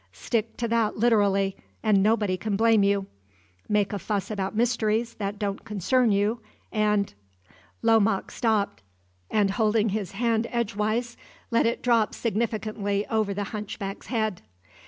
Stick to that literally, and nobody can blame you. Make a fuss about mysteries that don't concern you, and " Lomaque stopped, and holding his hand edgewise, let it drop significantly over the hunchback's head.